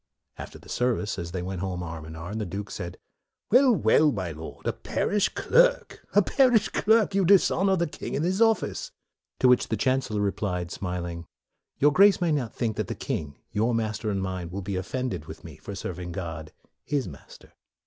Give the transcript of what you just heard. After the service, as they went home arm in arm, the Duke said, "Well, well! my Lord, a parish clerk! a parish clerk! You dishonor the king and his office." To which the Chancellor replied, smil ing, " Your Grace may not think that the 40 MORE king, your master and mine, will be of fended with me for serving God, his Master."